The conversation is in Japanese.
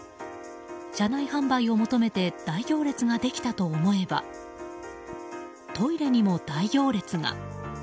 車内販売を求めて大行列ができたと思えばトイレにも大行列が。